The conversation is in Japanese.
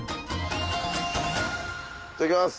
いただきます。